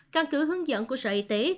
căn cứ hướng dẫn của sở y tế